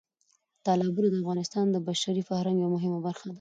تالابونه د افغانستان د بشري فرهنګ یوه مهمه برخه ده.